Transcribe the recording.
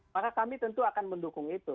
maka kami tentu akan mendukung itu